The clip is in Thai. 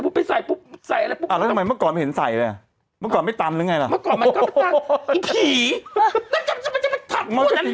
นี่ไงนี่ลองดูดิเนี่ยเนี่ย